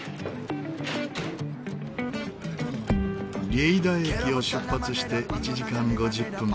リェイダ駅を出発して１時間５０分。